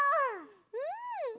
うん！